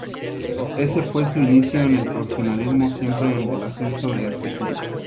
Ese fue su inicio en el profesionalismo, siempre en el ascenso de Argentina.